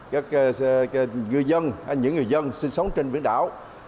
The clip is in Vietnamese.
các ngư dân hay những người dân sinh sống trên biển đảo